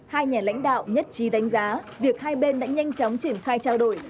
hai nhà lãnh đạo nhất trí đánh giá việc hai bên đã nhanh chóng triển khai trao đổi